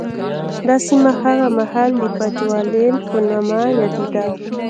دا سیمه هغه مهال د بچوالېنډ په نامه یادېده.